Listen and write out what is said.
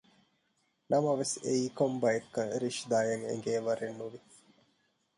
ނަމަވެސް އެއީ ކޮންބައެއްކަން ރިޝްދާއަށް އެނގޭވަރެއް ނުވި